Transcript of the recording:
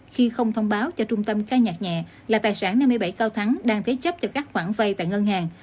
khi không thông báo cho trung tâm ca nhạc nhẹ nhà là tài sản năm mươi bảy cao thắng đang thế chấp cho các khoản vay tại ngân hàng